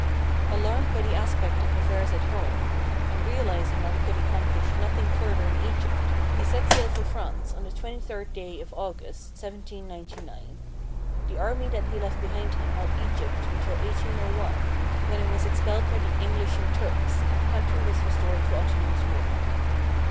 Alarmed by the aspect of affairs at home, and realizing that he could accom plish nothing further in Egypt, he set sail for France on the 23d day of August, 1799. The army that he left behind him held Egj'pt until 1801, when it was expelled by the English and Turks and the country was restored to Ottoman rule.